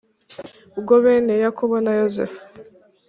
Bwo bene yakobo na yosefu